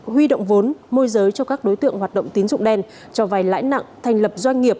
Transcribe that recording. huy động vốn môi giới cho các đối tượng hoạt động tín dụng đen cho vay lãi nặng thành lập doanh nghiệp